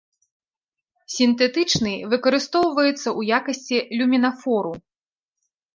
Сінтэтычны выкарыстоўваецца ў якасці люмінафору.